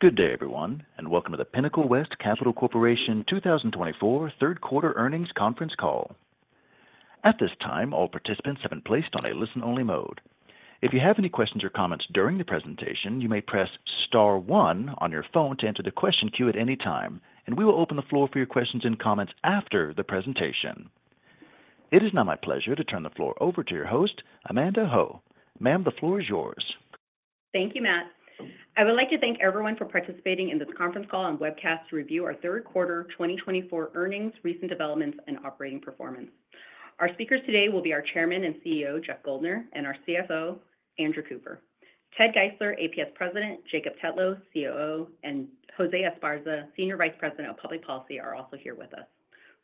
Good day everyone and welcome to the Pinnacle West Capital Corporation 2024 Third Quarter Earnings Conference Call. At this time, all participants have been placed on a listen only mode. If you have any questions or comments during the presentation, you may press Star one on your phone to enter the question queue at any time and we will open the floor for your questions and comments after the presentation. It is now my pleasure to turn the floor over to your host, Amanda Ho. Ma'am, the floor is yours. Thank you, Matt. I would like to thank everyone for participating in this conference call and webcast to review our third quarter 2024 earnings, recent developments and operating performance. Our speakers today will be our Chairman and CEO Jeff Guldner and our CFO Andrew Cooper. Ted Geisler, APS President, Jacob Tetlow, COO, and Jose Esparza, Senior Vice President of Public Policy are also here with us.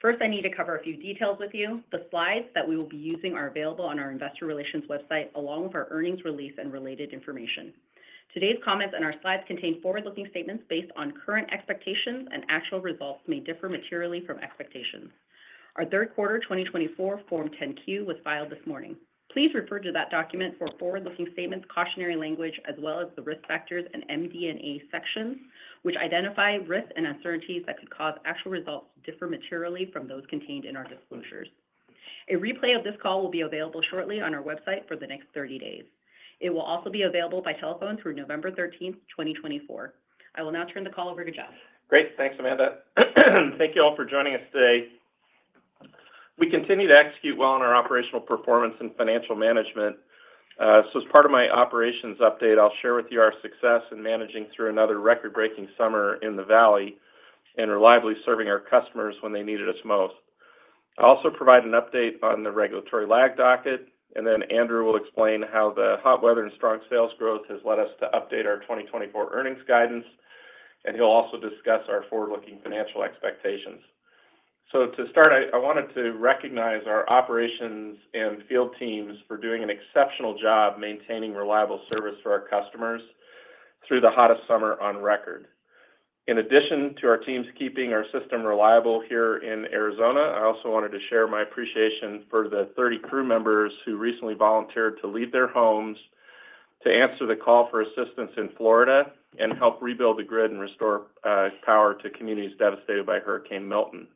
First, I need to cover a few details with you. The slides that we will be using are available on our Investor Relations website along with our earnings release and today's comments, and our slides contain forward-looking statements based on current expectations, and actual results may differ materially from expectations. Our third quarter 2024 Form 10-Q was filed this morning. Please refer to that document for forward-looking statements, cautionary language as well as the risk factors and MD&A section which identify risks and uncertainties that could cause actual results to differ materially from those contained in our disclosures. A replay of this call will be available shortly on our website for the next 30 days. It will also be available by telephone through November 13, 2024. I will now turn the call over to Jeff. Great. Thanks Amanda. Thank you all for joining us today. We continue to execute well on our operational performance and financial management. So as part of my operations update, I'll share with you our success in managing through another record breaking summer in the Valley and reliably serving our customers when they needed us most. I'll also provide an update on the regulatory lag docket and then Andrew will explain how the hot weather and strong sales growth has led us to update our 2024 earnings guidance and he'll also discuss our forward looking financial expectations. So to start, I wanted to recognize our operations and field teams for doing an exceptional job maintaining reliable service for our customers through the hottest summer on record. In addition to our teams keeping our system reliable here in Arizona, I also wanted to share my appreciation for the 30 crew members who recently volunteered to leave their home to answer the call for assistance in Florida and help rebuild the grid and restore power to communities devastated by Hurricane Milton.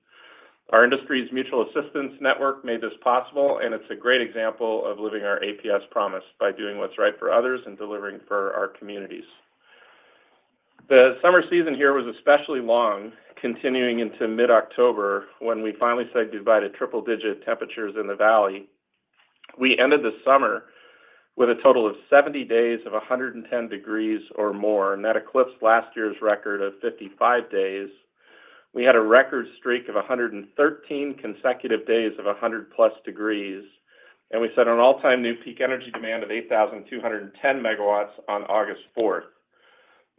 Our industry's mutual assistance network made this possible and it's a great example of living our APS Promise by doing what's right for others and delivering for our communities. The summer season here was especially long, continuing into mid October when we finally said goodbye to triple digit temperatures in the Valley. We ended the summer with a total of 70 days of 110 degrees Fahrenheit or more and that eclipsed last year's record of 55 days. We had a record streak of 113 consecutive days of 100-plus degrees and we set an all-time new peak energy demand of 8,210 megawatts on August 4.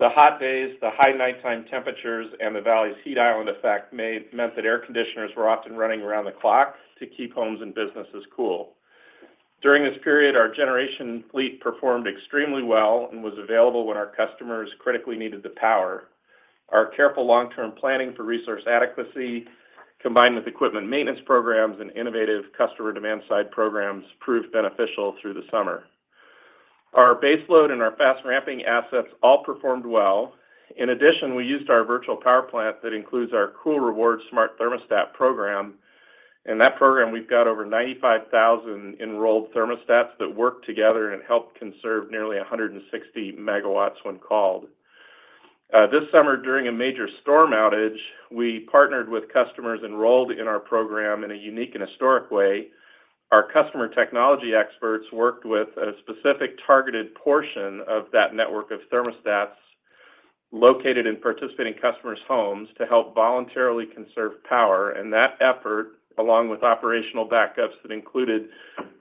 The hot days, the high nighttime temperatures and the Valley's heat island effect meant that air conditioners were often running around the clock to keep homes and businesses cool. During this period, our generation fleet performed extremely well and was available when our customers critically needed the power. Our careful long-term planning for resource adequacy combined with equipment maintenance programs and innovative customer demand-side programs proved beneficial through the summer. Our baseload and our fast-ramping assets all performed well. In addition, we used our virtual power plant that includes our Cool Rewards Smart Thermostat program. In that program we've got over 95,000 enrolled thermostats that work together and help conserve nearly 160 megawatts when called this summer during a major storm outage. We partnered with customers enrolled in our program in a unique and historic way. Our customer technology experts worked with a specific targeted portion of that network of thermostats located in participating customers' homes to help voluntarily conserve power and that effort, along with operational backups that included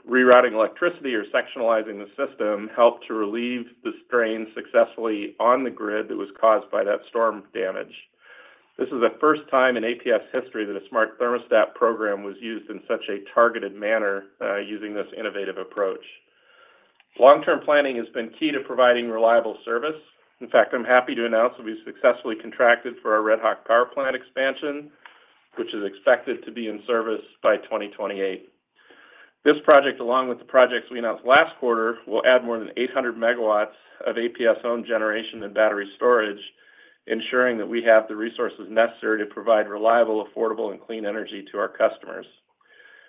rerouting electricity or sectionalizing the system, helped to relieve the strain successfully on the grid that was caused by that storm damage. This is the first time in APS history that a smart thermostat program was used in such a targeted manner. Using this innovative approach, long-term planning has been key to providing reliable service. In fact, I'm happy to announce that we've successfully contracted for our Redhawk Power Plant expansion which is expected to be in service by 2028. This project, along with the projects we announced last quarter, will add more than 800 MW of APS owned generation and battery storage, ensuring that we have the resources necessary to provide reliable, affordable and clean energy to our customers.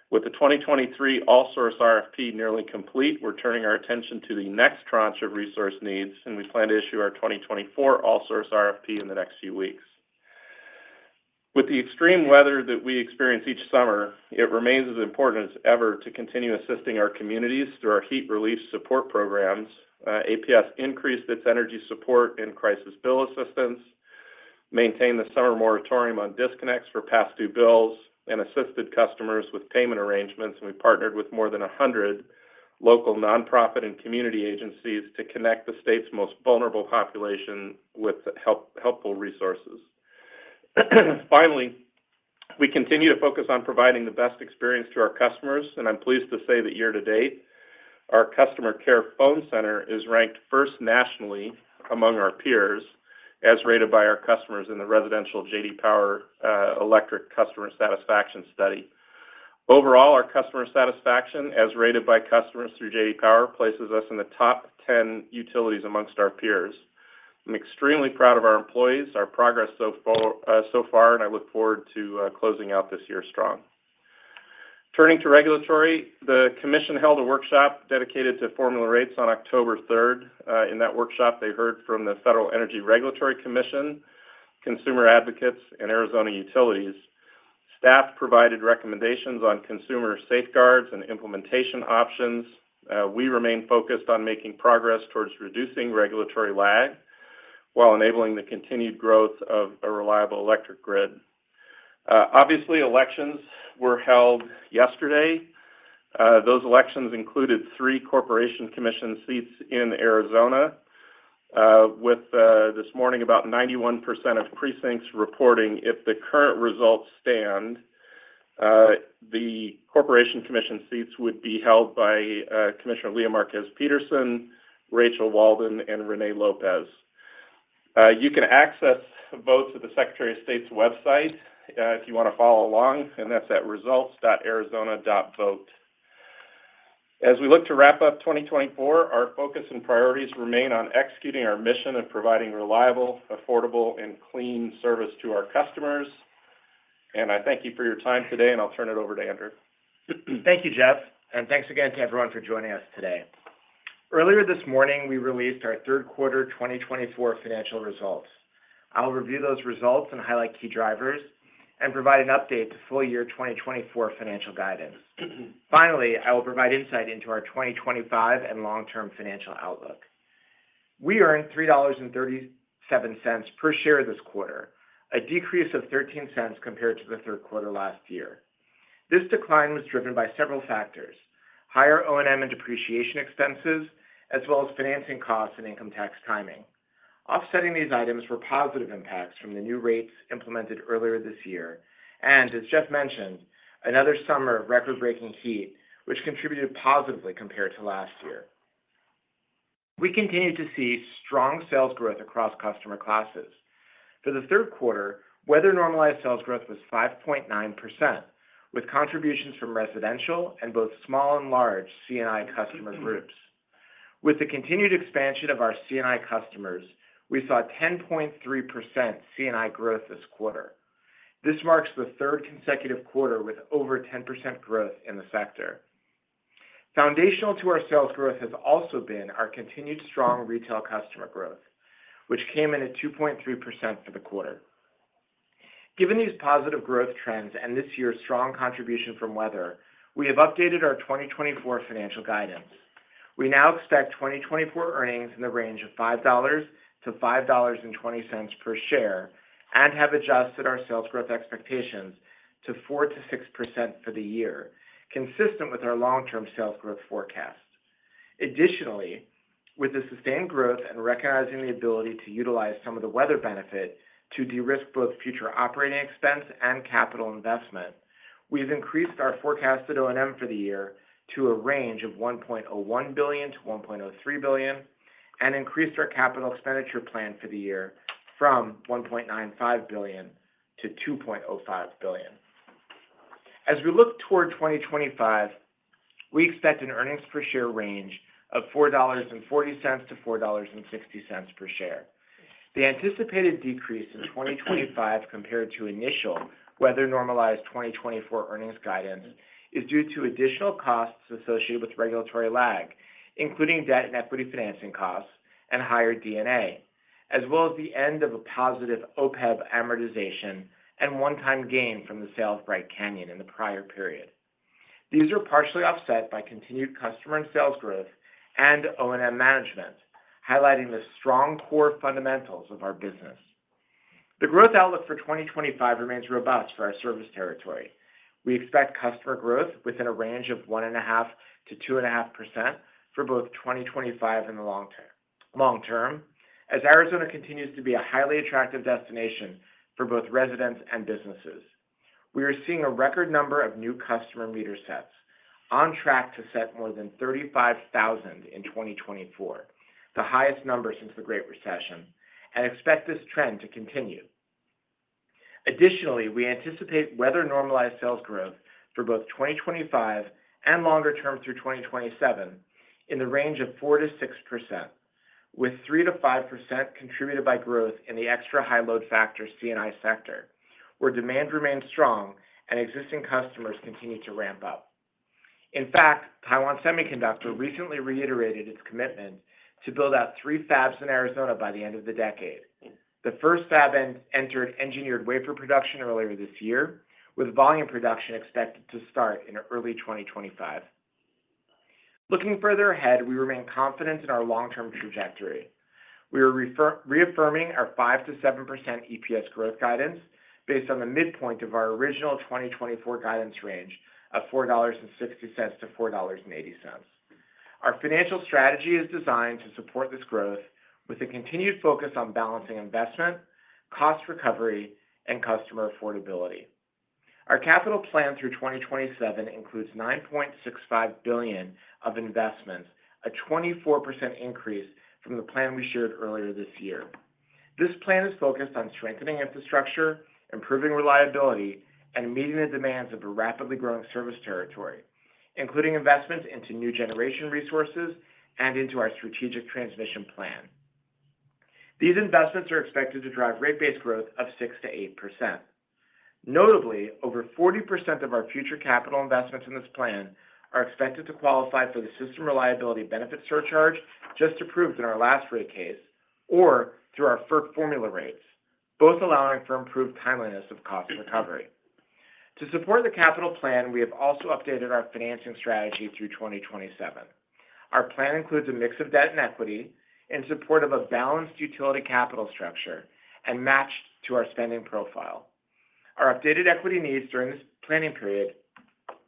With the 2023 All-Source RFP nearly complete, we're turning our attention to the next tranche of resource needs and we plan to issue our 2024 All-Source RFP in the next few weeks. With the extreme weather that we experience each summer, it remains as important as ever to continue assisting our communities through our heat relief support programs. APS increased its energy support in crisis bill assistance, maintained the summer moratorium on disconnects for past due bills and assisted customers with payment arrangements, and we partnered with more than 100 local nonprofit and community agencies to connect the state's most vulnerable population with helpful resources. Finally, we continue to focus on providing the best experience to our customers, and I'm pleased to say that year to date our Customer Care Phone center is ranked first nationally among our peers as rated by our customers in the residential J.D. Power Electric Customer Satisfaction Study. Overall, our customer satisfaction as rated by customers through J.D. Power places us in the top 10 utilities among our peers. I'm extremely proud of our employees, our progress so far, and I look forward to closing out this year strong. Turning to regulatory, the Commission held a workshop dedicated to formula rates on October 3rd. In that workshop they heard from the Federal Energy Regulatory Commission, consumer advocates, and Arizona Utilities staff provided recommendations on consumer safeguards and implementation options. We remain focused on making progress towards reducing regulatory lag while enabling the continued growth of a reliable electric grid. Obviously elections were held yesterday. Those elections included three Corporation Commission seats in Arizona with, this morning, about 91% of precincts reporting. If the current results stand, the Corporation Commission seats would be held by Commissioner Leah Marquez Peterson, Rachel Walden, and Rene Lopez. You can access votes at the Secretary of State's website if you want to follow along, and that's at Results.Arizona.Vote, as we look to wrap up 2024. Our focus and priorities remain on executing our mission of providing reliable, affordable, and clean service to our customers. I thank you for your time today, and I'll turn it over to Andrew. Thank you Jeff and thanks again to everyone for joining us today. Earlier this morning we released our third quarter 2024 financial results. I'll review those results and highlight key drivers and provide an update to full year 2024 financial guidance. Finally, I will provide insight into our 2025 and long-term financial outlook. We earned $3.37 per share this quarter, a decrease of $0.13 compared to the third quarter last year. This decline was driven by several factors, higher O&M and depreciation expenses as well as financing costs and income tax timing. Offsetting these items were positive impacts from the new rates implemented earlier this year and as Jeff mentioned, another summer of record-breaking heat which contributed positively compared to last year. We continue to see strong sales growth across customer classes. For the third quarter, weather-normalized sales growth was 5.9% with contributions from residential and both small and large C&I customer groups. With the continued expansion of our C&I customers, we saw 10.3% C&I growth this quarter. This marks the third consecutive quarter with over 10% growth in the sector. Foundational to our sales growth has also been our continued strong retail customer growth which came in at 2.3% for the quarter. Given these positive growth trends and this year's strong contribution from weather, we have updated our 2024 financial guidance. We now expect 2024 earnings in the range of $5-$5.20 per share and have adjusted our sales growth expectations to 4%-6% for the year consistent with our long-term sales growth forecast. Additionally, with the sustained growth and recognizing the ability to utilize some of the weather benefit to de-risk both future operating expense and capital investment, we've increased our forecasted O&M for the year to a range of $1.01 billion-$1.03 billion and increased our capital expenditure plan for the year from $1.95 billion to $2.05 billion. As we look toward 2025, we expect an earnings per share range of $4.40-$4.60 per share. The anticipated decrease in 2025 compared to initial weather-normalized 2024 earnings guidance is due to additional costs associated with regulatory lag including debt and equity financing costs and higher D&A as well as the end of a positive OPEB amortization and one-time gain from the sale of Bright Canyon in the prior period. These are partially offset by continued customer and sales growth and O&M management. Highlighting the strong core fundamentals of our business, the growth outlook for 2025 remains robust for our service territory. We expect customer growth within a range of 1.5%-2.5% for both 2025 and the long term. As Arizona continues to be a highly attractive destination for both residents and businesses, we are seeing a record number of new customer meter sets on track to set more than 35,000 in 2024, the highest number since the Great Recession and expect this trend to continue. Additionally, we anticipate weather normalized sales growth for both 2025 and longer term through 2027 in the range of 4%-6% with 3%-5% contributed by growth in the extra high load factor C&I sector where demand remains strong and existing customers continue to ramp up. In fact, Taiwan Semiconductor recently reiterated its commitment to build out three fabs in Arizona by the end of the decade. The first fab entered engineered wafer production earlier this year with volume production expected to start in early 2025. Looking further ahead, we remain confident in our long-term trajectory. We are reaffirming our 5%-7% EPS growth guidance based on the midpoint of our original 2024 guidance range of $4.60-$4.80. Our financial strategy is designed to support this growth with a continued focus on balancing investment, cost recovery and customer affordability. Our capital plan through 2027 includes $9.65 billion of investments, a 24% increase from the plan we shared earlier this year. This plan is focused on strengthening infrastructure, improving reliability and meeting the demands of a rapidly growing service territory including investments into new generation resources and into our Strategic Transmission Plan. These investments are expected to drive rate base growth of 6%-8%. Notably, over 40% of our future capital investments in this plan are expected to qualify for the System Reliability Benefit surcharge just approved in our last rate case or through our FERC formula rates, both allowing for improved timeliness of cost recovery. To support the capital plan, we have also updated our financing strategy through 2027. Our plan includes a mix of debt and equity in support of a balanced utility capital structure and matched to our spending profile. Our updated equity needs during this planning period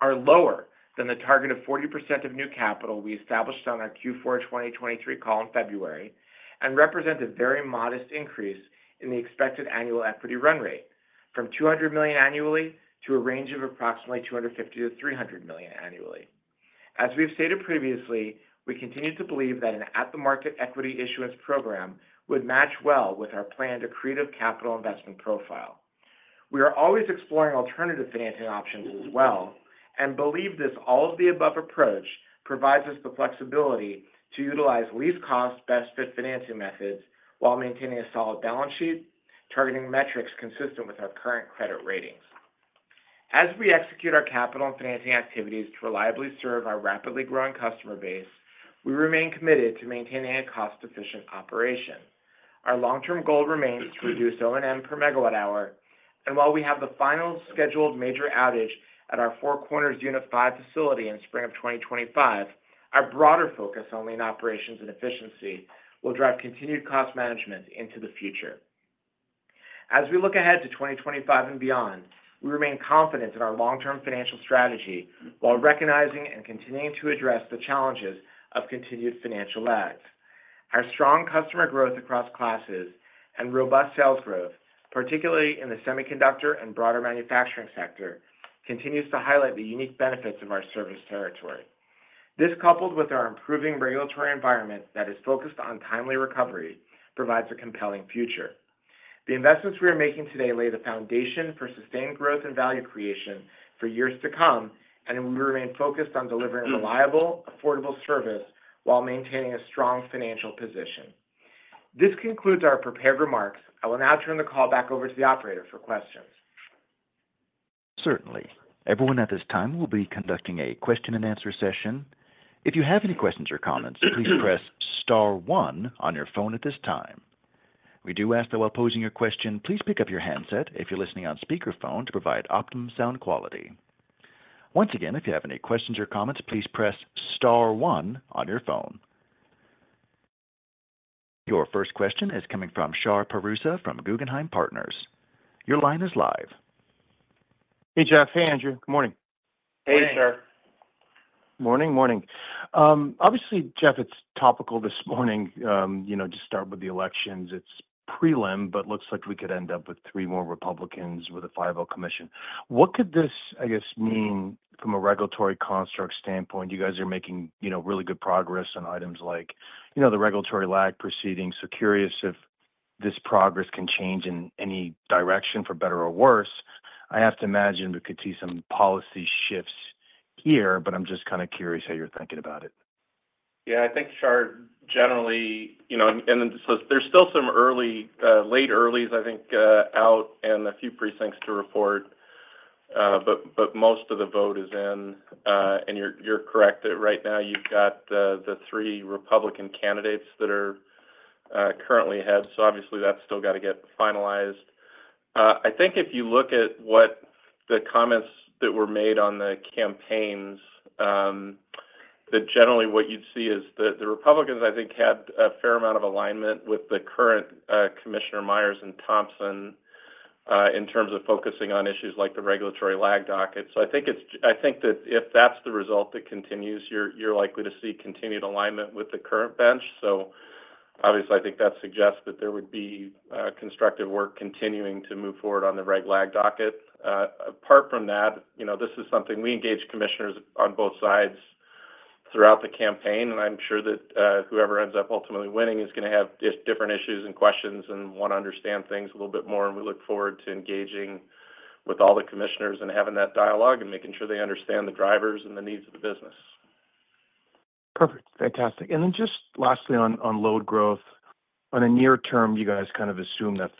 are lower than the target of 40% of new capital we established on our Q4 2023 call in February and represent a very modest increase in the expected annual equity run rate from $200 million annually to a range of approximately $250-$300 million annually. As we've stated previously, we continue to believe that an at-the-market equity issuance program would match well with our planned accretive capital investment profile. We are always exploring alternative financing options as well and believe this all-of-the-above approach provides us the flexibility to utilize least cost best fit financing methods while maintaining a solid balance sheet targeting metrics consistent with our current credit ratings. As we execute our capital and financing activities to reliably serve our rapidly growing customer base, we remain committed to maintaining a cost efficient operation. Our long term goal remains to reduce O&M per megawatt hour and while we have the final scheduled major outage at our Four Corners Unit 5 facility in spring of 2025, our broader focus only in operations and efficiency will drive continued cost management into the future. As we look ahead to 2025 and beyond, we remain confident in our long-term financial strategy while recognizing and continuing to address the challenges of continued financial lags. Our strong customer growth across classes and robust sales growth, particularly in the semiconductor and broader manufacturing sector, continues to highlight the unique benefits of our service territory. This, coupled with our improving regulatory environment that is focused on timely recovery, provides a compelling future. The investments we are making today lay the foundation for sustained growth and value creation for years to come, and we remain focused on delivering reliable, affordable service while maintaining a strong financial position. This concludes our prepared remarks. I will now turn the call back over to the operator for questions. Certainly everyone at this time will be conducting a question and answer session. If you have any questions or comments, please press Star one on your phone at this time. We do ask that while posing your question, please pick up your handset if you're listening on speakerphone to provide optimum sound quality. Once again, if you have any questions or comments, please press Star one on your phone. Your first question is coming from Shar Pourreza from Guggenheim Partners. Your line is live. Hey, Jeff. Hey, Andrew. Good morning. Hey, sir. Morning. Morning. Obviously, Jeff, it's topical this morning. You know, just start with the elections. It's prelim, but looks like we could end up with three more Republicans with a 5-0 commission. What could this, I guess, mean from? A regulatory construct standpoint? You guys are making, you know, really good progress on items like, you know, the regulatory lag proceedings. So curious if this progress can change in any direction, for better or worse. I have to imagine we could see some policy shifts here. But I'm just kind of curious how. You're thinking about it. Yeah, I think Shar generally, you know, and so there's still some early, late earlies, I think, out and a few precincts to report, but most of the vote is in, and you're correct that right now you've got the three Republican candidates that are currently ahead, so obviously that's still got to get finalized. I think if you look at what the comments that were made on the campaigns, that generally what you'd see is that the Republicans, I think, had a fair amount of alignment with the current commissioner, Myers and Thompson, in terms of focusing on issues like the regulatory lag docket. I think that. If that's the result that continues, you're likely to see continued alignment with the current bench. So obviously, I think that suggests that there would be constructive work continuing to move forward on the reg lag docket. Apart from that, you know, this is something we engage commissioners on both sides throughout the campaign, and I'm sure that whoever ends up ultimately winning is going to have different issues and questions and want to understand things a little bit more, and we look forward to engaging with all the commissioners and having that dialogue and making sure they understand the drivers and the needs of the business. Perfect. Fantastic. And then just lastly on load growth. On a near term, you guys kind. I assume that $4-$6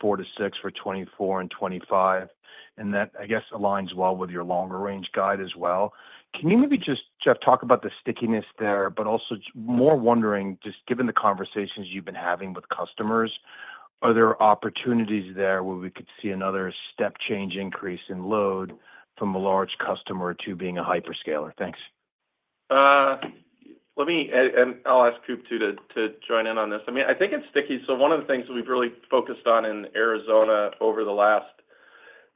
for 2024 and 2025 and that, I guess, aligns well with your longer-range guide as well. Can you maybe just, Jeff, talk about the stickiness there, but also more wondering just given the conversations you've been having with customers, are there opportunities there where we could see another step change, increase in load from a large customer to being a hyperscaler? Thanks. Let me, and I'll ask Coop too to join in on this. I mean, I think it's sticky. So one of the things we've really focused on in Arizona over the last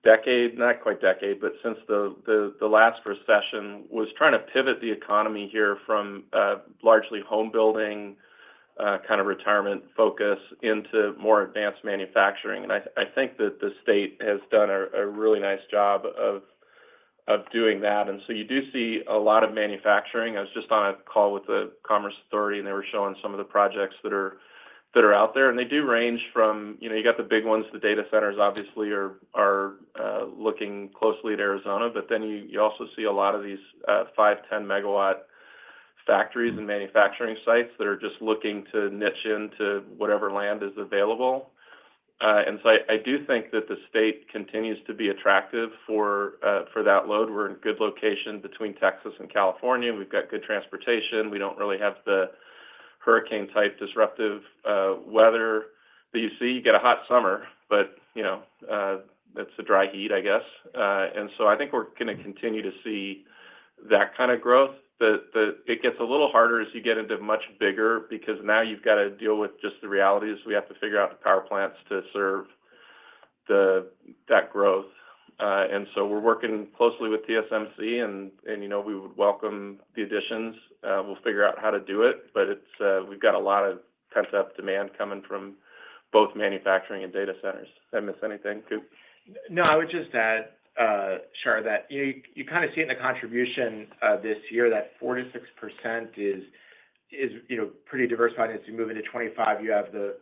decade, not quite decade, but since the last recession, was trying to pivot the economy here from largely home building kind of retirement focus into more advanced manufacturing. And I think that the state has done a really nice job of doing that. And so you do see a lot of manufacturing. I was just on a call with the Arizona Commerce Authority and they were showing some of the projects that are, that are out there and they do range from, you know, you got the big ones, the data centers obviously are looking closely at Arizona. But then you also see a lot of these five, 10 megawatt factories and manufacturing sites that are just looking to niche into whatever land is available. And so I do think that the state continues to be attractive for that load. We're in good location between Texas and California. We've got good transportation. We don't really have the hurricane type disruptive weather that you see. You get a hot summer but you know, that's a dry heat I guess. And so I think we're going to continue to see that kind of growth. It gets a little harder as you get into much bigger because now you've got to deal with just the realities. We have to figure out the power plants to serve that growth. And so we're working closely with TSMC and you know we would welcome the additions. We'll figure out how to do it. But we've got a lot of pent up demand coming from both manufacturing and data centers. Did I miss anything, Cooper? No. I would just add, Shar, that you kind of see in the contribution this year that 4%-6% is pretty diversified. As you move into 2025, you have the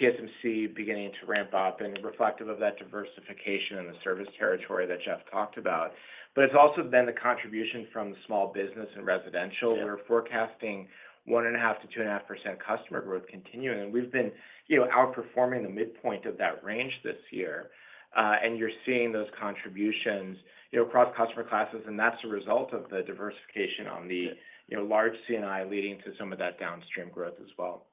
TSMC beginning to ramp up and reflective of that diversification in the service territory that Jeff talked about. But it's also been the contribution from small business and residential. We're forecasting 1.5%-2.5% customer growth continuing and we've been outperforming the midpoint of that range this year. And you're seeing those contributions across customer classes and that's a result of the diversification on the large C and I leading to some of that downstream growth as well.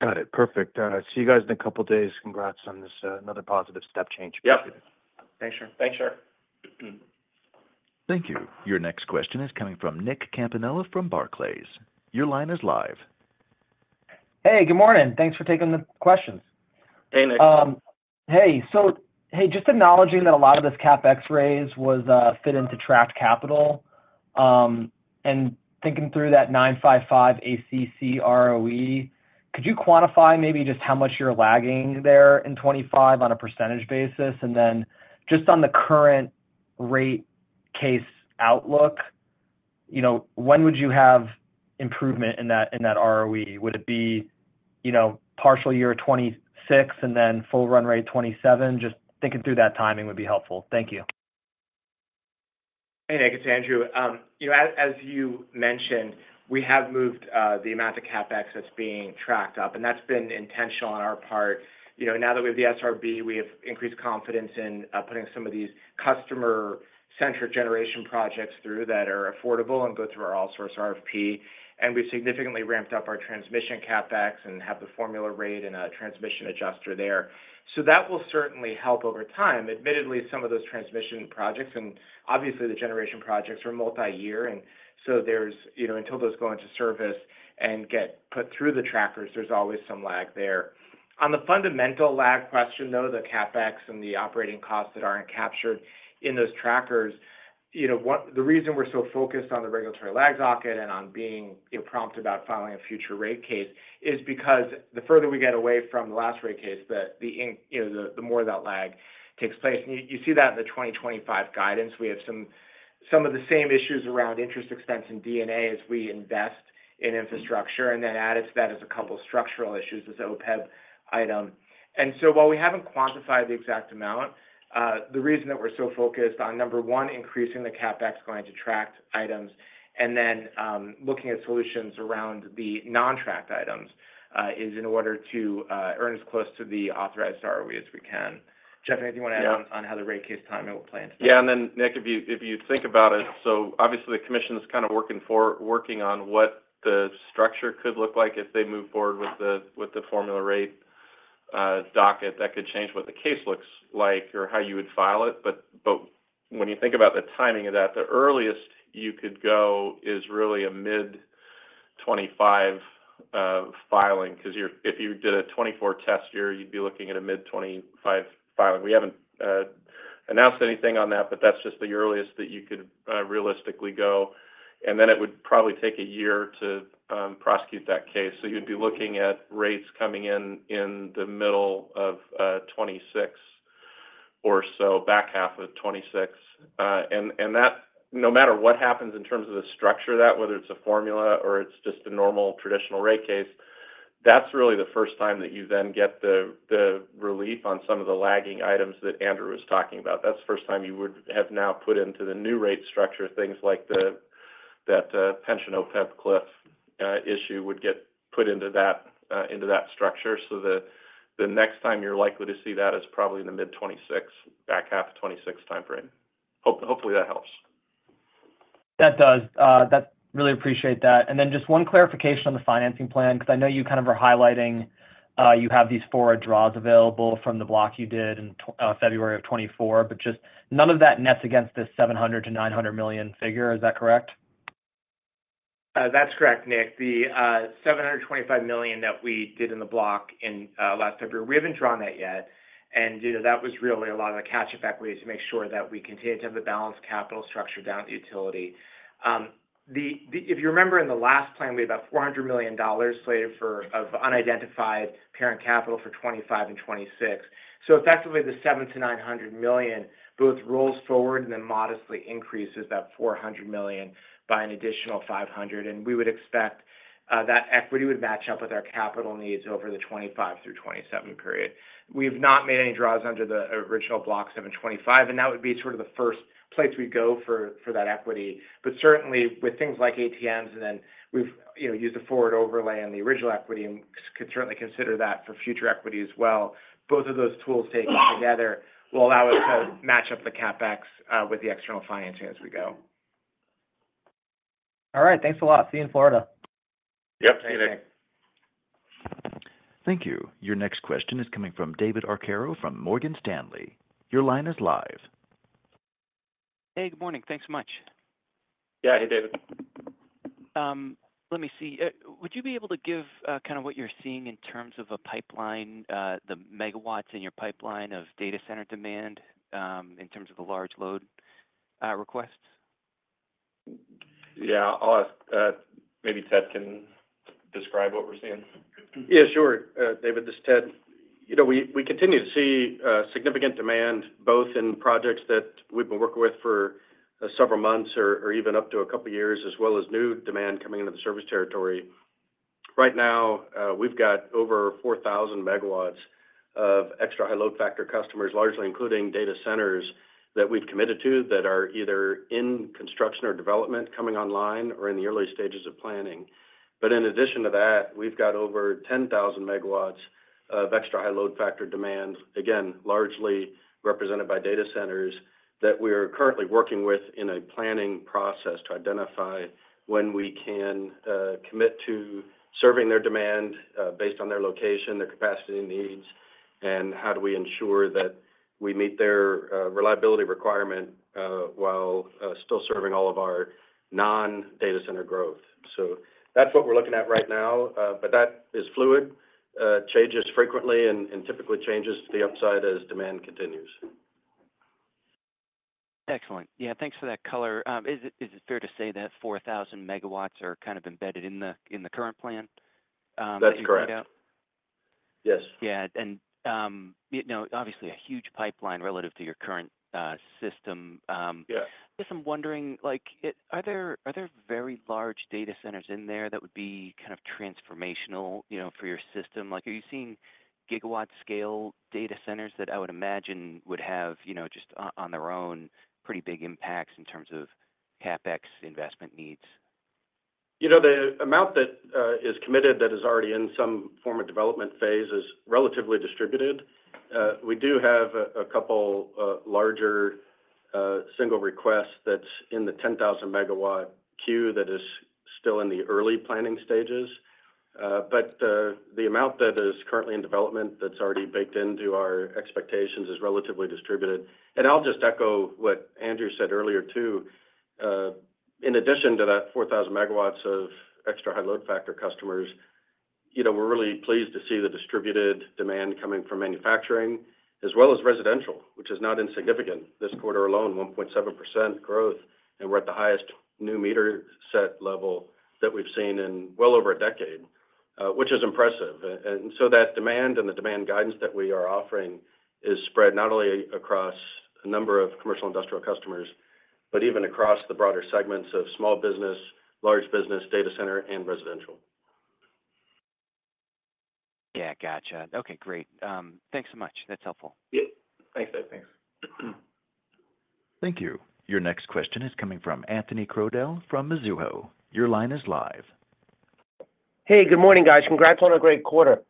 Got it. Perfect. See you guys in a couple days. Congrats on this. Another positive step change. Yep. Thanks sir. Thanks sir. Thank you. Your next question is coming from Nick Campanella from Barclays. Your line is live. Hey, good morning. Thanks for taking the questions. Hey Nick. Hey. So, just acknowledging that a lot of this CapEx raise was fit into tracked capital and thinking through that 9.55% ACC ROE, could you quantify maybe just how much you're lagging there in 2025 on a percentage basis and then just on the current rate case outlook, when would you have improvement in that ROE? Would it be partial year 2026 and then full run rate 2027? Just thinking through that timing would be helpful. Thank you. Hey Nick, it's Andrew. As you mentioned, we have moved the amount of CapEx that's being tracked up, and that's been intentional on our part. You know, now that we have the SRB, we have increased confidence in putting some of these customer-centric generation projects through that are affordable and go through our all-source RFP, and we've significantly ramped up our transmission CapEx and have the formula rate and a Transmission Adjuster there. So that will certainly help over time. Admittedly, some of those transmission projects and obviously the generation projects are multi-year, and so there's, you know, until those go into service and get put through the trackers, there's always some lag there. On the fundamental lag question though, the CapEx and the operating costs that aren't captured in those trackers. You know the reason we're so focused on the regulatory lag aspect and on being prompt about filing a future rate case is because the further we get away from the last rate case, the more that lag takes place. You see that in the 2025 guidance we have some of the same issues around interest expense and D&A as we invest in infrastructure. And then added to that is a couple structural issues as OPEB item. And so while we haven't quantified the exact amount, the reason that we're so focused on number one increasing the CapEx going to tracked items and then looking at solutions around the non-tracked items is in order to earn as close to the authorized ROE as we can. Jeff, anything you want to add on how the rate case timing will play into that? Yeah, and then Nick, if you think about it, so obviously the commission is kind of working on what the structure could look like if they move forward with the formula rate docket. That could change what the case looks. Like or how you would file it. But when you think about the timing of that, the earliest you could go is really a mid-2025 filing because if you did a 2024 test year, you'd be looking at a mid-26. We haven't announced anything on that, but that's just the earliest that you could realistically go and then it would probably take a year to prosecute that case. So you'd be looking at rates coming in in the middle of 2026 or so back half of 2026. And that no matter what happens in terms of the structure that whether it's a formula or it's just a normal traditional rate case, that's really the first time that you then get the relief on some of the lagging items that Andrew was talking about. That's the first time you would have now put into the new rate structure. Things like that pension, OPEB cliff issue would get put into that structure. So the next time you're likely to see that is probably in the mid-2026 back half of 2026 timeframe. Hopefully that helps. I do really appreciate that. And then just one clarification on the financing plan because I know you kind of are highlighting you have these four draws available from the block you did in February 2024, but just none of that nets against this $700-$900 million figure, is that correct? That's correct, Nick. The $725 million that we did in the block in last February, we haven't drawn that yet. And you know, that was really a lot of the catch effect ways to make sure that we continue to have the balanced capital structure down at the utility. If you remember in the last plan we had about $400 million slated for unidentified parent capital for 2025 and 2026. So effectively the $700-$900 million both rolls forward and then modestly increases that $400 million by an additional $500 million. And we would expect that equity would match up with our capital needs over the 2025 through 2027 period. We have not made any draws under the original block 725. And that would be sort of the first place we go for that equity. But certainly with things like ATMs and then we've used the forward overlay on the original equity and could certainly consider that for future equity as well. Both of those tools taken together will allow us to match up the CapEx with the external financing as we go. All right, thanks a lot. See you in Florida. Yep. Thank you. Your next question is coming from David Arcaro from Morgan Stanley. Your line is live. Hey, good morning. Thanks so much. Yeah. Hey David. let me see. Would you be able to give kind of what you're seeing in terms of a pipeline, the megawatts in your pipeline of data center demand in terms of the large load requests? Yeah, I'll ask. Maybe Ted can describe what we're seeing. Yeah, sure. David, this is Ted. You know, we continue to see significant demand both in projects that we've been working with for several months or even up to a couple years, as well as new demand coming into the service territory. Right now we've got over 4,000 megawatts of extra high load factor customers, largely including data centers that we've committed to that are either in construction or development, coming online or in the early stages of planning. But in addition to that, we've got over 10,000 megawatts of extra high load factor demand, again largely represented by data centers that we are currently working with in a planning process to identify when we can commit to serving their demand based on their location, their capacity needs and how do we ensure that we meet their reliability requirement while still serving all of our non data center growth. So that's what we're looking at right now. But that is fluid, changes frequently and typically changes to the upside as demand continues. Excellent. Yeah, thanks for that color. Is it fair to say that 4,000 megawatts are kind of embedded in the current plan? That's correct, yes. Yeah. And obviously a huge pipeline relative to your current system. Yeah. I'm wondering like are there, are there very large data centers in there that would be kind of transformational, you know, for your system? Like are you seeing gigawatt scale data centers that I would imagine would have, you know, just on their own, pretty big impacts in terms of CapEx investment needs? You know, the amount that is committed, that is already in some form of development phase is relatively distributed. We do have a couple larger single requests that's in the 10,000 megawatt queue that is still in the early planning stages, but the amount that is currently in development that's already baked into our expectations is relatively distributed. I'll just echo what Andrew said earlier too. In addition to that 4,000 megawatts of extra high load factor customers, you know, we're really pleased to see the distributed demand coming from manufacturing as well as residential, which is not insignificant. This quarter alone, 1.7% growth and we're at the highest new meter set level that we've seen in well over a decade, which is impressive. And so that demand, and the demand guidance that we are offering is spread not only across a number of commercial industrial customers but even across the broader segments of small business, large business, data center and residential. Yeah, gotcha. Okay, great. Thanks so much. That's helpful. Yep, thanks Dave. Thanks. Thank you. Your next question is coming from Anthony Crowdell from Mizuho. Your line is live. Hey, good morning guys. Congrats on a great quarter.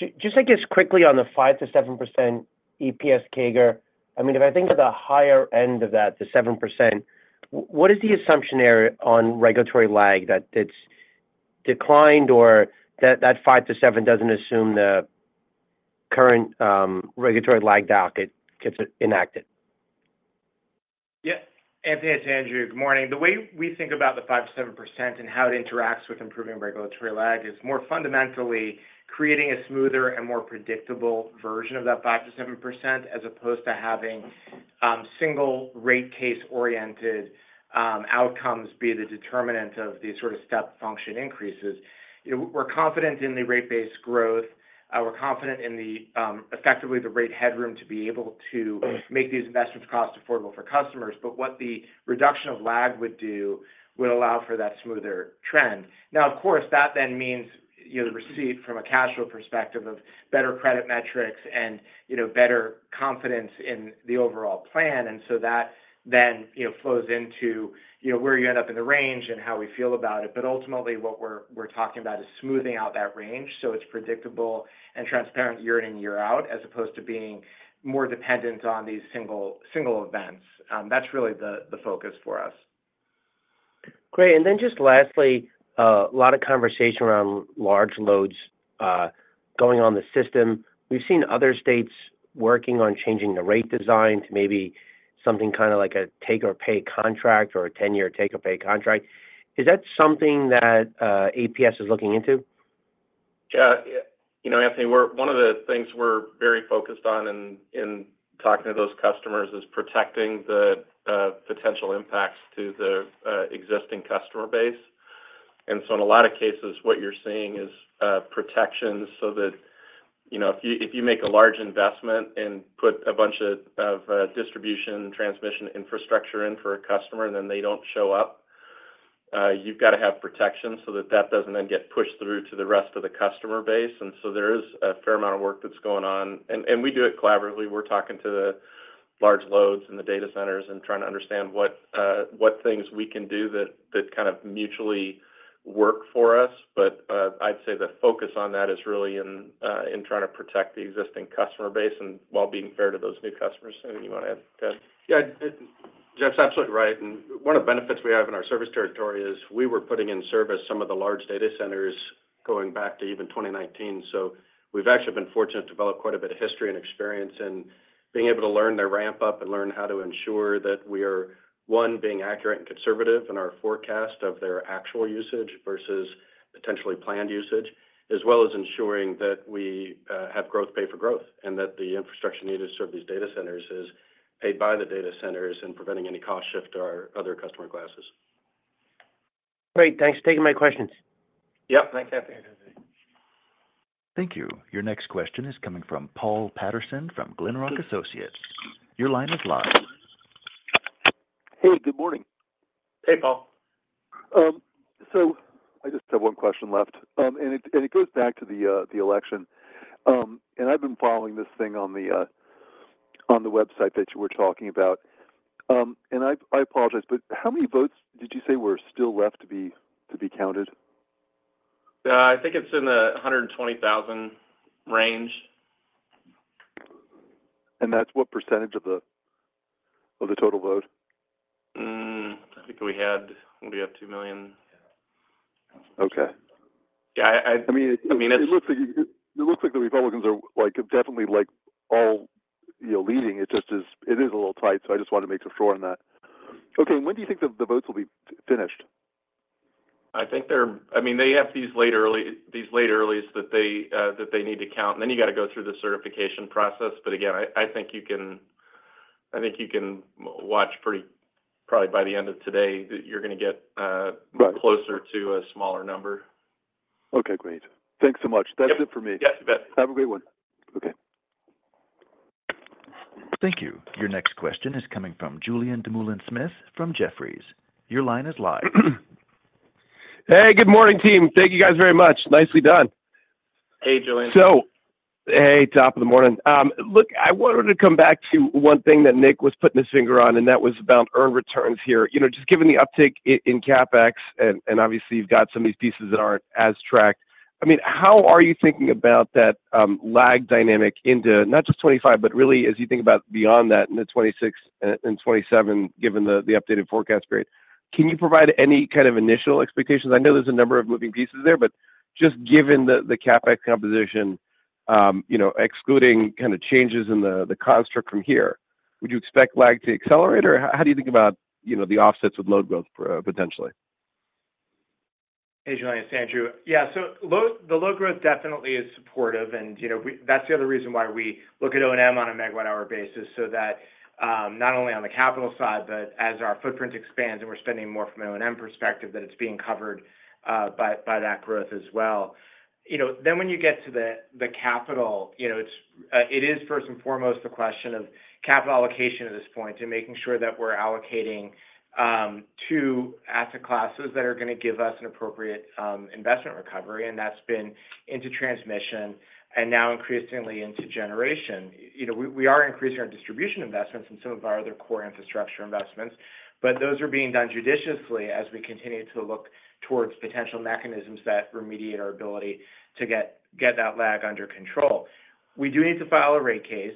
Just I guess quickly on the 5%-7% EPS CAGR. I mean if I think of the. Higher end of that, the 7%, what is the assumption there on regulatory lag that it's declined or that 5%-7% doesn't assume the current regulatory lag docket gets enacted? Yeah, Anthony, it's Andrew. Good morning. The way we think about the 5%-7% and how it interacts with improving regulatory lag is more fundamentally creating a smoother and more predictable version of that 5%-7% as opposed to having single rate case oriented outcomes be the determinant of these sort of step function increases. We're confident in the rate base growth, we're confident in effectively the rate headroom to be able to make these investments cost affordable for customers. But what the reduction of lag would do would allow for that smoother trend. Now, of course, that then means, you know, the receipt from a cash flow perspective of better credit metrics and, you know, better confidence in the overall plan. And so that then, you know, flows into, you know, where you end up in the range and how we feel about it. But ultimately what we're talking about is smoothing out that range so it's predictable and transparent year in and year out as opposed to being more dependent on these single events. That's really the focus for us. Great. And then just lastly a lot of conversation around large loads going on the system. We've seen other states working on changing the rate design to maybe something kind of like a take-or-pay contract or a 10-year take-or-pay contract. Is that something that APS is looking into? Yeah, you know, Anthony, one of the things we're very focused on in talking to those customers is protecting the potential impacts to the existing customer base, and so in a lot of cases what you're seeing is protection so that, you know, if you, if you make a large investment and put a bunch of distribution transmission infrastructure in for a customer and then they don't show up, you've got to have protection so that that doesn't then get pushed through to the rest of the customer base, and so there is a fair amount of work that's going on and we do it collaboratively. We're talking to the large loads in the data centers and trying to understand what things we can do that kind of mutually work for us. But I'd say the focus on that is really in trying to protect the existing customer base and while being fair to those new customers. You want to. Yeah, Jeff's absolutely right, and one of the benefits we have in our service territory is we were putting in service some of the large data centers going back to even 2019, so we've actually been fortunate to develop quite a bit of history and experience in being able to learn their ramp up and learn how to ensure that we are one being accurate and conservative in our forecast of their actual usage versus potentially planned usage, as well as ensuring that we have growth, pay for growth and that the infrastructure needed to serve these data centers is paid by the data centers and preventing any cost shift to our other customer classes. Great, thanks for taking my questions. Yep, thanks Anthony. Thank you. Your next question is coming from Paul Patterson from Glenrock Associates. Your line is live. Hey, good morning. Hey Paul. So, I just have one question left, and it goes back to the election. I've been following this thing on the website that you were talking about, and I apologize, but how many votes did you say were still left to be counted? I think it's in the 120,000 range. That's what percentage of the. The total vote? I think we had. We have 2 million. Okay. Yeah, I mean, I mean it looks. Like the Republicans are like definitely like. All, you know, leading. It just is, it is a little tight. So I just wanted to make sure on that. Okay. When do you think the votes will be finished? I think they're. I mean, they have these late earlies that they need to count, and then you got to go through the certification process. But again, I think you can watch pretty probably by the end of today that you're going to get closer to a smaller number. Okay, great, thanks so much. That's it for me. Have a great one. Okay. Thank you. Your next question is coming from Julien Dumoulin-Smith from Jefferies. Your line is live. Hey, good morning team. Thank you guys very much. Nicely done. Hey Julian. So, hey, top of the morning. Look, I wanted to come back to one thing that Nick was putting his finger on and that was about earned returns here. You know, just given the uptick in CapEx and obviously you've got some of these pieces that aren't as tracked. I mean, how are you thinking about that lag dynamic into not just 2025, but really as you think about beyond that in the 2026 and 2027, given the updated forecast period? Can you provide any kind of initial expectations? I know there's a number of moving pieces there, but just given the CapEx composition, excluding kind of changes in the construct from here, would you expect lag to accelerate or how do you think about the offsets of load growth potentially? Hey Julien, it's Andrew. Yeah, so the low growth definitely is supportive. And you know, that's the other reason why we look at O&M on a megawatt hour basis. So that not only on the capital side, but as our footprint expands and we're spending more from an O&M perspective that it's being covered by that growth as well. You know, then when you get to the capital, you know, it is first and foremost the question of capital allocation at this point and making sure that we're allocating to asset classes that are going to give us an appropriate investment recovery. And that's been into transmission and now increasingly into generation. You know, we are increasing our distribution investments and some of our other core infrastructure investments, but those are being done judiciously as we continue to look towards potential mechanisms that remediate our ability to get that lag under control. We do need to file a rate case.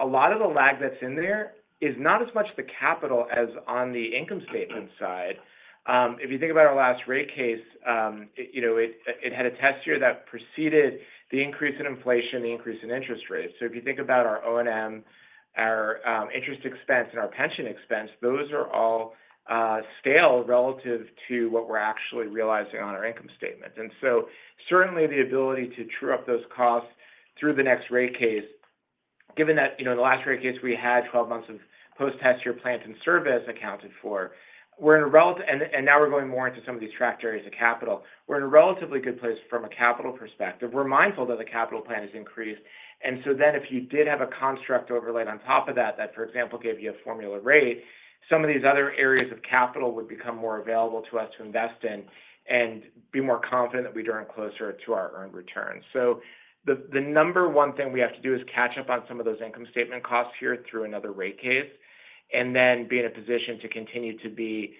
A lot of the lag that's in there is not as much the capital as on the income statement side. If you think about our last rate case, you know, it had a test year that preceded the increase in inflation, the increase in interest rates, so if you think about our O&M, our interest expense and our pension expense, those are all stale relative to what we're actually realizing on our income statement, and so certainly the ability to true up those costs through the next rate case. Given that, you know, in the last rate case we had 12 months of post test year plant in service accounted for, we're in a relative and now we're going more into some of these trajectories of capital, we're in a relatively good place from a capital perspective. We're mindful that the capital plan has increased, and so then if you did have a construct overlaid on top of that, for example, gave you a formula rate, some of these other areas of capital would become more available to us to invest in and be more confident that we'd earn closer to our earned return, so the number one thing we have to do is catch up on some of those income statement costs here through another rate case and then be in a position to continue to be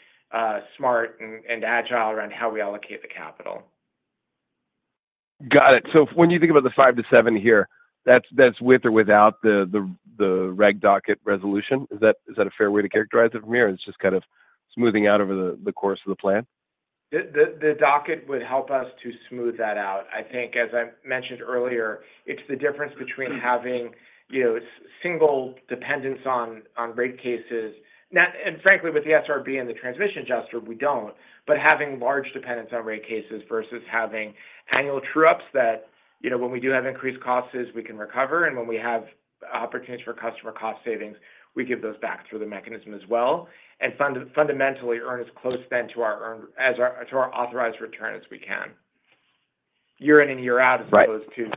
smart and agile around how we allocate the capital. Got it. So when you think about the five to seven here, that's with or without the reg docket resolution. Is that a fair way to characterize it from here? It's just kind of smoothing out over the course of the plan. The docket would help us to smooth that out. I think as I mentioned earlier, it's the difference between having, you know, single dependence on rate cases and frankly with the SRB and the Transmission Adjuster, we don't. But having large dependence on rate cases versus having annual true ups that, you know, when we do have increased costs, we can recover. And when we have opportunities for customer cost savings, we give those back through the mechanism as well and fundamentally earn as close then to our authorized return as we can year in and year out as opposed to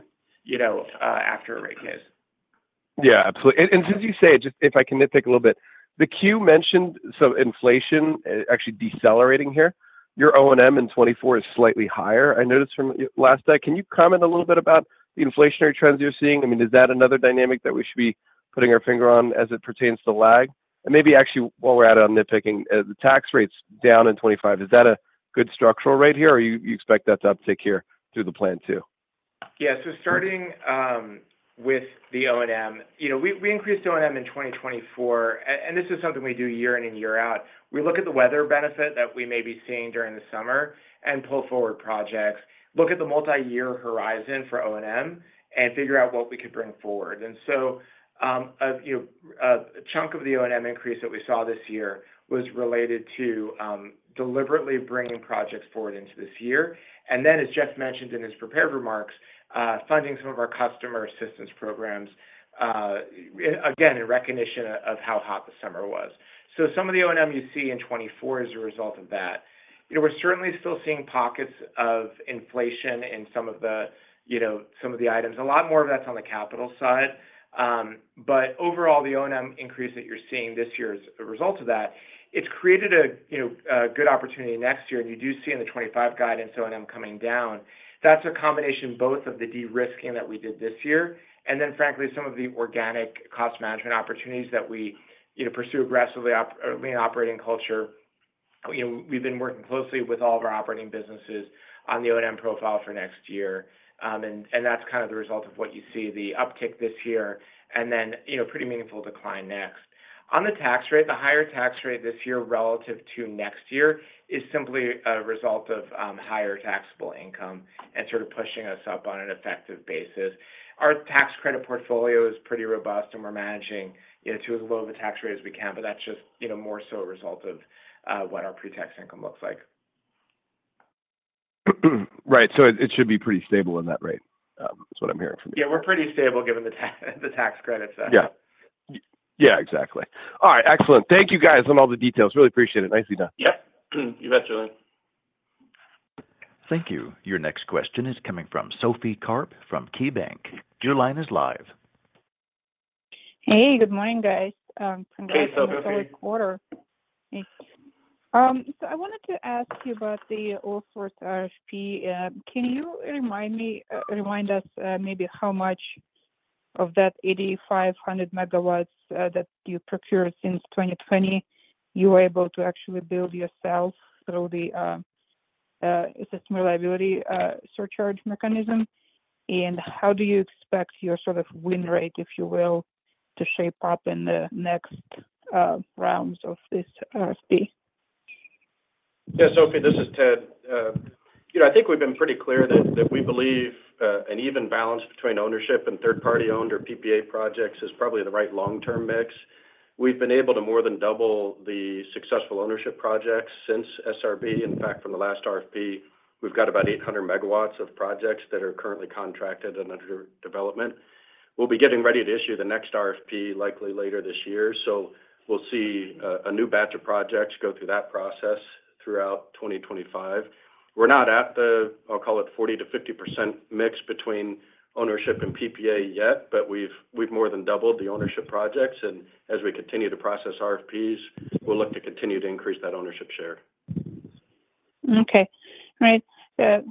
after a rate case. Yeah, absolutely. And as you say, just if I can nitpick a little bit, the 10-Q mentioned some inflation actually decelerating here. Your O&M in 2024 is slightly higher, I noticed from last day. Can you comment a little bit about? The inflationary trends you're seeing? I mean, is that another dynamic that we should be putting our finger on as it pertains to lag and maybe actually while we're at it on nitpicking the tax rates down in 2025? Is that a good structural rate here or you expect that to uptake here through the plan too? Yeah. So starting with the O&M, you know, we increased O&M in 2024 and this is something we do year in and year out. We look at the weather benefit that we may be seeing during the summer and pull forward projects, look at the multi year horizon for O&M and figure out what we could bring forward. And so a chunk of the O&M increase that we saw this year was related to deliberately bringing projects forward into this year. And then as Jeff mentioned in his prepared remarks, funding some of our customer assistance programs again in recognition of how hot the summer was. So some of the O&M you see in 24 as a result of that, you know, we're certainly still seeing pockets of inflation in some of the, you know, some of the items. A lot more of that's on the capital side, but overall, the O&M increase that you're seeing this year as a result of that, it's created a good opportunity next year, and you do see in the 2025 guidance O&M coming down. That's a combination both of the de-risking that we did this year and then frankly some of the organic cost management opportunities that we pursue aggressively in operating culture. We've been working closely with all of our operating businesses on the O&M profile for next year, and that's kind of the result of what you see, the uptick this year and then, you know, pretty meaningful decline next, on the tax rate. The higher tax rate this year relative to next year is simply a result of higher taxable income and sort of pushing us up on an effective basis. Our tax credit portfolio is pretty robust and we're managing to as low of a tax rate as we can, but that's just, you know, more so a result of what our pre-tax income looks like. Right. So it should be pretty stable in that rate. That's what I'm hearing from you. Yeah, we're pretty stable given the tax credits. Yeah, yeah, exactly. All right, excellent. Thank you guys on all the details. Really appreciate it. Nicely done. Yep, you bet you. Thank you. Your next question is coming from Sophie Karp from KeyBanc. Your line is live. Hey, good morning guys. So I wanted to ask you about the All-Source RFP. Can you remind me, remind us maybe how much of that 8,500 megawatts that you procured since 2020 you were able to actually build yourself through the System Reliability Surcharge mechanism. And how do you expect your sort of win rate, if you will, to shape up in the next rounds of this RFP? Yeah, Sophie, this is Ted. You know, I think we've been pretty. clear that we believe an even balance between ownership and third party owned or PPA projects is probably the right long term mix. We've been able to more than double the successful ownership projects since SRB. In fact, from the last RFP we've got about 800 megawatts of projects that are currently contracted and under development. We'll be getting ready to issue the next RFP likely later this year. So we'll see a new batch of projects go through that process throughout 2025. We're not at the, I'll call it 40%-50% mix between ownership and PPA yet, but we've more than doubled the ownership projects and as we continue to process RFPs, we'll look to continue to increase that ownership share. Okay, right,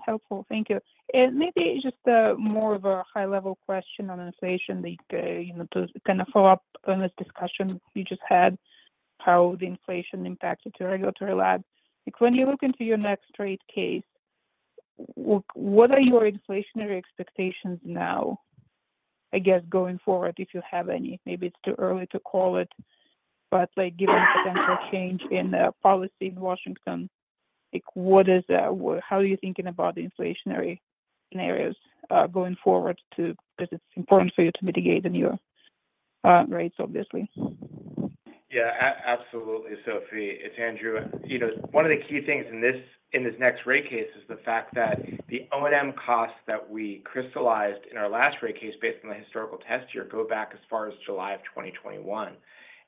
helpful. Thank you. And maybe just more of a high-level question on inflation to kind of follow up on this discussion you just had, how the inflation impacted your regulatory lag when you look into your next rate case. What are your inflationary expectations now? I guess going forward, if you have any. Maybe it's too early to call it, but like given potential change in policy in Washington, what is, how are you thinking about the inflationary scenarios going forward? Because it's important for you to mitigate the future rates, obviously. Yeah, absolutely. Sophie, it's Andrew. You know, one of the key things in this next rate case is the fact that the O&M costs that we crystallized in our last rate case based on the historical test year go back as far as July of 2021.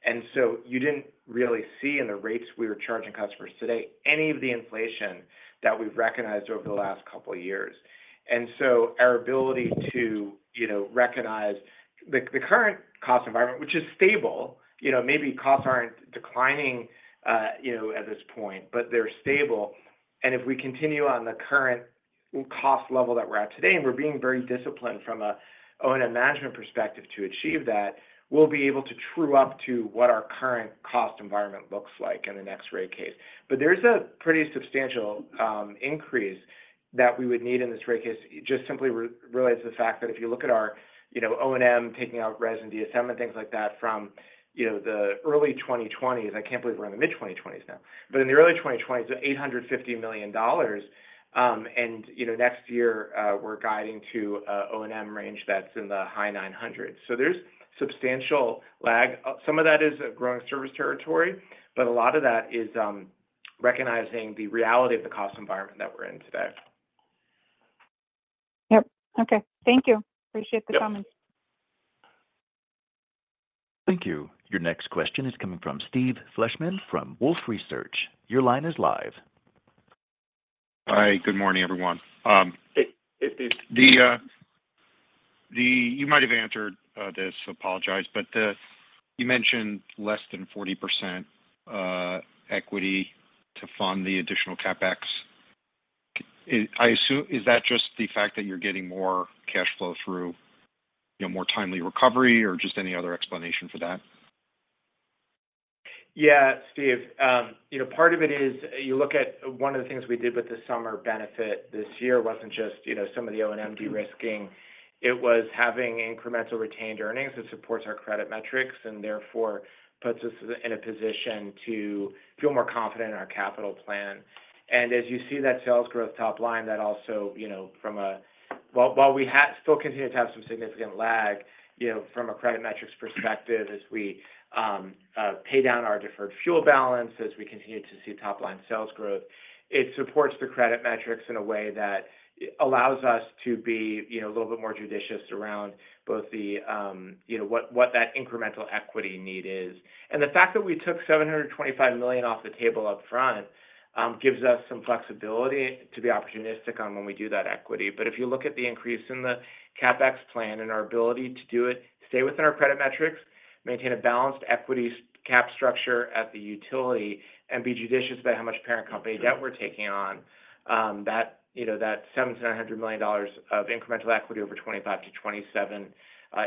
And so you didn't really see in the rates we were charging customers today any of the inflation that we've recognized over the last couple of years. And so our ability to recognize the current cost environment, which is stable, maybe costs aren't declining at this point, but they're stable. And if we continue on the current cost level that we're at today and we're being very disciplined from a management perspective to achieve that, we'll be able to true up to what our current cost environment looks like in the next rate case. There's a pretty substantial increase that we would need in this rate case. Just simply realize the fact that if you look at our, you know, O&M taking out RES and DSM and things like that from, you know, the early 2000s. I can't believe we're in the mid-2020s now, but in the early 2000s, $850 million. Next year we're guiding to O&M range that's in the high 900. There's substantial lag. Some of that is a growing service. Territory, but a lot of that is recognizing the reality of the cost environment that we're in today. Yep. Okay, thank you. Appreciate the comments. Thank you. Your next question is coming from Steve Fleishman from Wolfe Research. Your line is live. Hi, good morning, everyone. You might have answered this. Apologies, but you mentioned less than 40%. Equity to fund the additional CapEx. I assume is that just the fact that you're getting more cash flow through? More timely recovery or just any other explanation for that? Yeah, Steve, you know, part of it is you look at one of the things we did with the summer benefit this year wasn't just, you know, some of the O&M de-risking. It was having incremental retained earnings. That supports our credit metrics and therefore puts us in a position to feel more confident in our capital plan. And as you see that sales growth, top line, that also, you know, from a. While we still continue to have some significant lag, you know, from a credit metrics perspective, as we pay down our deferred fuel balance, as we continue to see top line sales growth, it supports the credit metrics in a way that allows us to be a little bit more judicious around both the, you know, what that incremental equity need is and the fact that we took $725 million off the table up front gives us some flexibility to be opportunistic on when we do that equity. But if you look at the increase in the CapEx plan and our ability to do it, stay within our credit metrics, maintain a balanced equity capital structure at the utility and be judicious about how much parent company debt we're taking on that, you know, that $700-$900 million of incremental equity over 2025-2027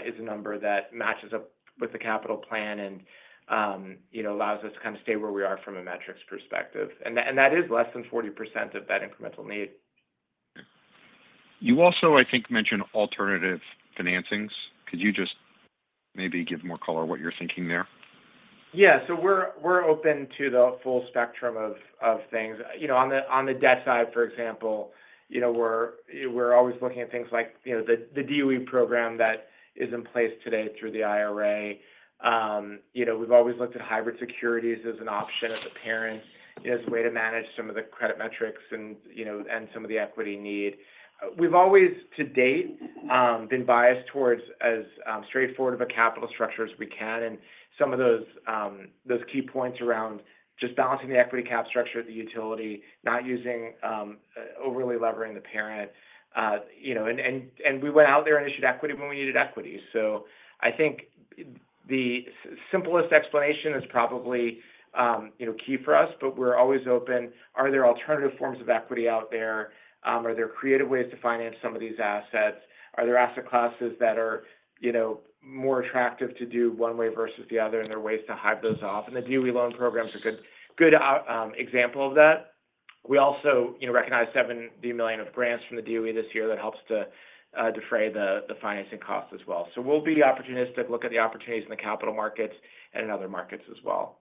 is a number that matches up with the capital plan and, you know, allows us to kind of stay where we are from a metrics perspective. And that is less than 40% of that incremental need. You also, I think, mentioned alternative financings. Could you just maybe give more color? What you're thinking there? Yeah, so we're open to the full spectrum of things. You know, on the debt side, for example, you know, we're always looking at things like, you know, the DOE program that is in place today through the IRA. You know, we've always looked at hybrid securities as an option at the parent, as a way to manage some of the credit metrics and some of the equity need. We've always to date been biased towards as straightforward of a capital structure as we can. And some of those key points around just balancing the equity capital structure at the utility, not using overly levering the parent, and we went out there and issued equity when we needed equity. So I think the simplest explanation is probably, you know, key for us, but we're always open. Are there alternative forms of equity out there? Are there creative ways to finance some of these assets? Are there asset classes that are, you know, more attractive to do one way versus the other, and there are ways to hide those off. And the DOE loan program is a good, good example of that. We also, you know, recognize $70 million of grants from the DOE this year. That helps to defray the financing costs as well, so we'll be opportunistic, look at the opportunities in the capital markets and in. Other markets as well.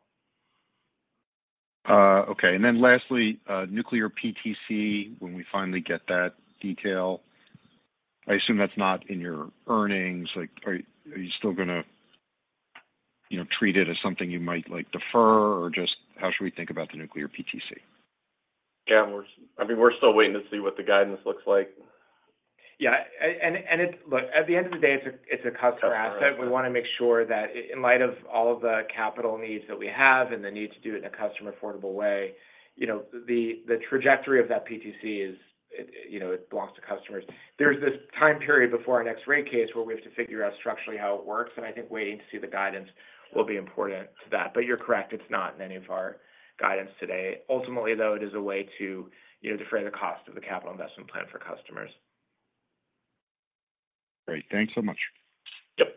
Okay. And then lastly, nuclear PTC. When we finally get that detail, I assume that's not in your earnings, like. Are you still going to, you know, treat it as something you might like defer or just how should we think? About the nuclear PTC? Yeah, I mean we're still waiting to see what the guidance looks like. Yeah. And look, at the end of the day, it's a customer asset. We want to make sure that in light of all of the capital needs we have and the need to do it in a customer affordable way, you know, the trajectory of that PTC is, you know, it belongs to customers. There's this time period before our next rate case where we have to figure out structurally how it works. And I think waiting to see the guidance will be important to that. But you're correct, it's not in any of our guidance today. Ultimately though, it is a way to, you know, defray the cost of the capital investment plan for customers. Great, thanks so much. Yep.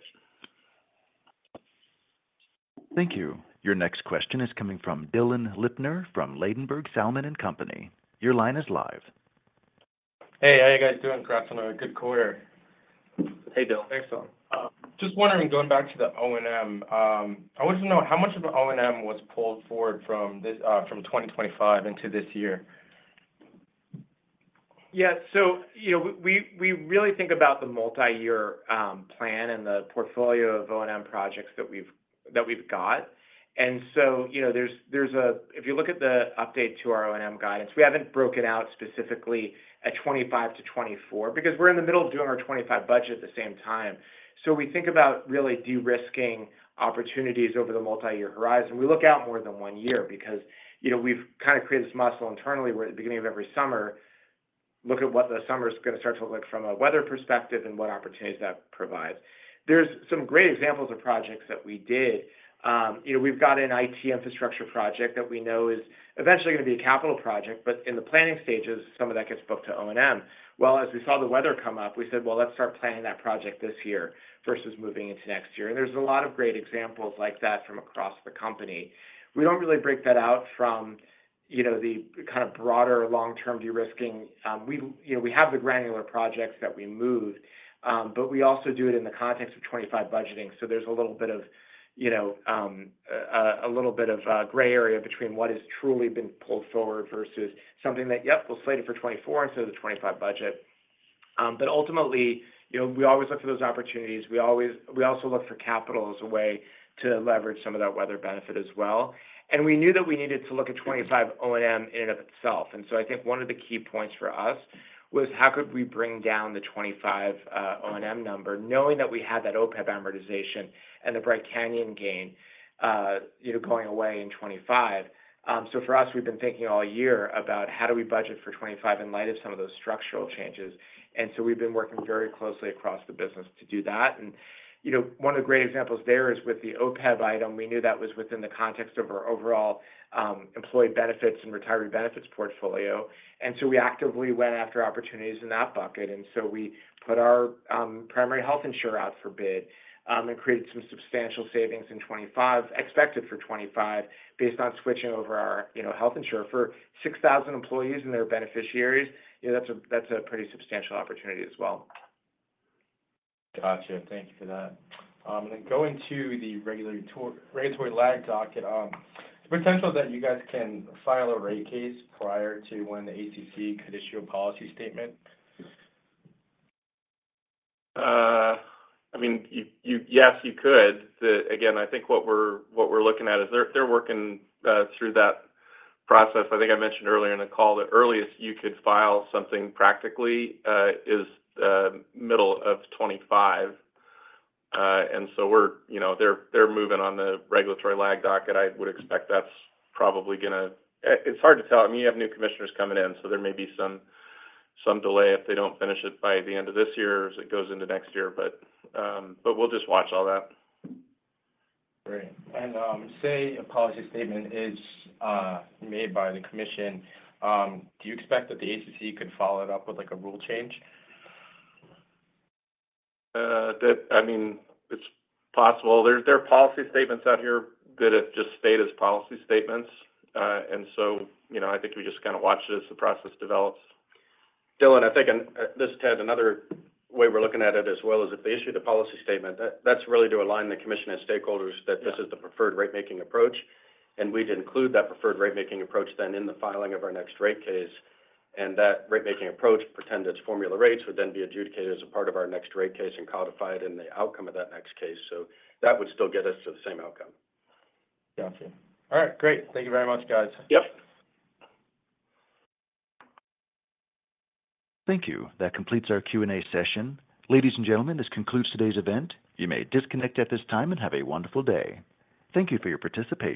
Thank you. Your next question is coming from Dylan Lipner from Ladenburg Thalmann and Company. Your line is live. Hey, how are you guys? Congrats on a good quarter. Hey Dylan. Thanks Dylan. Just wondering, going back to the O&M, I want to know how much of O&M was pulled forward from 2025 into this year. Yeah. So you know, we really think about the multi-year plan and the portfolio of O&M projects that we've got. And so you know there's a, if you look at the update to our O&M guidance, we haven't broken out specifically at 2025 to 2024. Because we're in the middle of doing. Our 2025 budget at the same time. So we think about really de-risking opportunities over the multi-year horizon. We look out more than one year because you know, we've kind of created this muscle internally where at the beginning of every summer, look at what the summer is going to start to look like from a weather perspective and what opportunities that provides. There's some great examples of projects that we did. You know, we've got an IT infrastructure project that we know is eventually going to be a capital project, but in the planning stages, some of that gets booked to O&M. Well, as we saw the weather come up, we said, well, let's start planning that project this year versus moving into next year. And there's a lot of great examples like that from across the company. We don't really break that out from, you know, the kind of broader long-term de-risking. We, you know, we have the granular projects that we move, but we also do it in the context of 2025 budgeting. So there's a little bit of, you know, a little bit of gray area between what has truly been pulled forward versus something that, yep, we'll slate it for 2024 instead of the 2025 budget. But ultimately, you know, we always look for those opportunities. We always also look for capital as a way to leverage some of that weather benefit as well. And we knew that we needed to look at 2025 O&M in and of itself. One of the key points for us was how could we bring down the20 25 O&M number knowing that we had that OPEB amortization and the Bright Canyon gain going away in2025. So for us, we've been thinking all year about how do we budget for 2025 in light of some of those structural changes. We've been working very closely across the business to do that. You know, one of the great examples there is with the OPEB item. We knew that was within the context of our overall employee benefits and retiree benefits portfolio. We actively went after opportunities in that bucket. We put our primary health insurer out for bid and created some substantial savings in 2025 expected for 2025 based on switching over our, you know, health insurer for 6,000 employees and their beneficiaries. That's a pretty substantial opportunity as well. Gotcha. Thank you for that. And then going to the regulatory lag. Docket potential that you guys can file. A rate case prior to when the. ACC could issue a policy statement. I mean, yes, you could. Again, I think what we're looking at is they're working through that process. I think I mentioned earlier in the call, the earliest you could file something practically is middle of 2025. And so we're, you know, they're moving on the regulatory lag docket. I would expect that's probably going to, it's hard to tell. I mean, you have new commissioners coming in, so there may be some delay if they don't finish it by the end of this year as it goes into next year. But we'll just watch all that. Great. Say a policy statement is made by the commission. Do you expect that the ACC could? Follow it up with like a rule change? I mean, it's possible. There are policy statements out here that just stayed as policy statements. And so, you know, I think we just kind of watch as the process develops. Dylan, I think this, Ted, another way we're looking at it as well as if they issue the policy statement that's really to align the commission and stakeholders that this is the preferred rate making approach. And we'd include that preferred rate making approach then in the filing of our next rate case. And that rate making approach, pretend it's formula rates, would then be adjudicated as a part of our next rate case and codified in the outcome of that next case. So that would still get us to the same outcome. Gotcha. All right, great. Thank you very much, guys. Yep. Thank you. That completes our Q&A session. Ladies and gentlemen. This concludes today's event. You may disconnect at this time and have a wonderful day. Thank you for your participation.